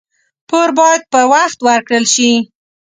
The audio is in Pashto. پور باید په وخت ورکړل شي.